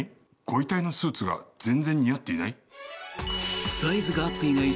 ご遺体のスーツが全然似合っていない？